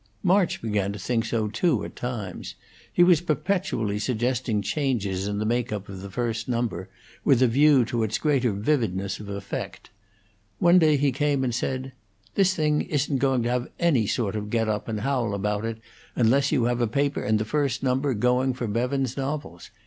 March began to think so too, at times. He was perpetually suggesting changes in the make up of the first number, with a view to its greater vividness of effect. One day he came and said: "This thing isn't going to have any sort of get up and howl about it, unless you have a paper in the first number going for Bevans's novels.